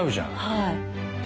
はい。